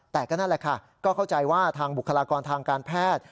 แต่ก็นั่นแหละค่ะก็เข้าใจว่าทางบุคลากรทางการแพทย์